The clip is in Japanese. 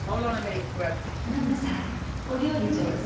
ママさお料理上手？